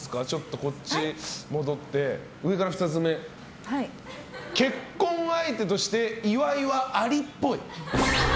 こっちに戻って上から２つ目の結婚相手として岩井はアリっぽい。